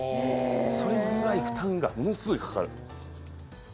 それぐらい負担がものすごいかかる。